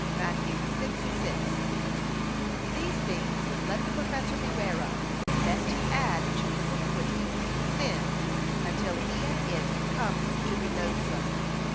(Matt. 6:6) These things let the professor beware of, lest he add to his iniquity, sin, until he and it comes to be loathsome.